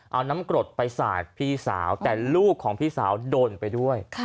เอาน้ำกรดไปสาดพี่สาวแต่ลูกของพี่สาวโดนไปด้วย